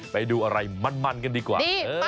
ไปดูอะไรมันกันดีกว่า